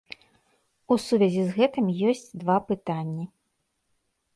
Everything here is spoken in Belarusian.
У сувязі з гэтым ёсць два пытанні.